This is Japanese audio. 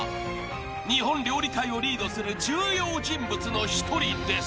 ［日本料理界をリードする重要人物の１人です］